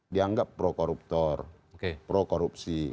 dianggap pro koruptor pro korupsi